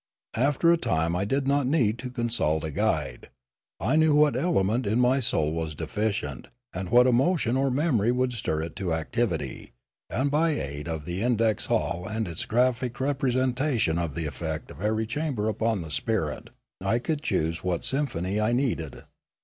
After a time I did not need to consult a guide; I knew what element in my soul was deficient and what emotion or memory would stir it to activity, and by aid of the index hall and its graphic representation of the effect of every chamber upon the spirit I could choose what symphony I needed.